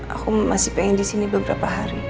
aku masih pengen di sini beberapa hari